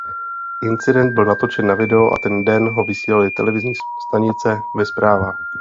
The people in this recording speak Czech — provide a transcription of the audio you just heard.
Incident byl natočen na video a ten den ho vysílaly televizní stanice ve zprávách.